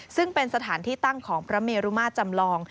ซึ่งเป็นสถานที่ตั้งของพระเมรุมาตรจำลอง